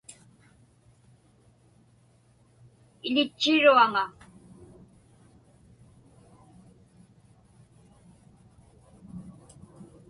Iḷitchiruaŋa.